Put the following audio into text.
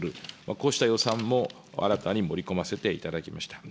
こうした予算も新たに盛り込ませていただきました。